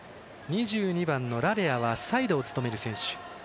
２２番のラレアはサイドを務める選手。